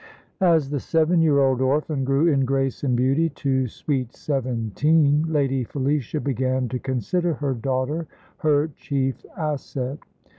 As the seven year old orphan grew in grace and beauty to sweet seventeen, Lady Felicia began to consider her daughter her chief asset.